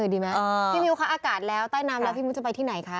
ดีไหมพี่มิ้วคะอากาศแล้วใต้น้ำแล้วพี่มิ้วจะไปที่ไหนคะ